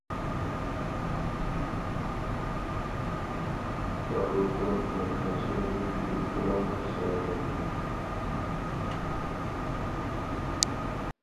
داۋۇت دىڭ قۇلاق ماشىنىدىن چۈشۈپ ئۇلارنىڭ قېشىغا كەلدى.